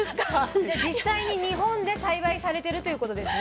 じゃ実際に日本で栽培されてるということですね？